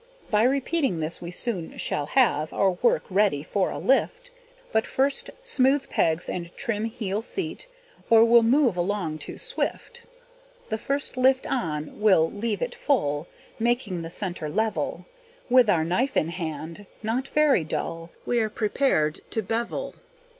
By repeating this we soon shall have Our work ready for a lift; But first, smooth pegs and trim heel seat, Or we'll move along too swift. The first lift on, we'll leave it full, Making the centre level; With our knife in hand, not very dull, We are prepared to bevel.